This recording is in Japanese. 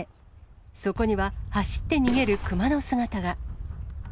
そこには、走って逃げる熊の姿が。